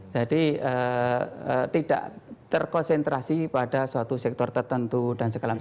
jadi tidak terkonsentrasi pada suatu sektor tertentu dan segala macam